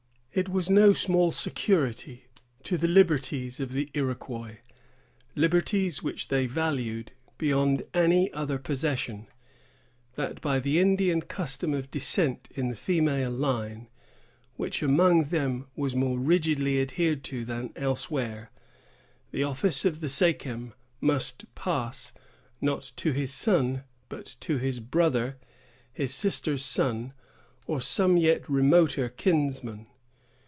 It was no small security to the liberties of the Iroquois——liberties which they valued beyond any other possession——that by the Indian custom of descent in the female line, which among them was more rigidly adhered to than elsewhere, the office of the sachem must pass, not to his son, but to his brother, his sister's son, or some yet remoter kinsman.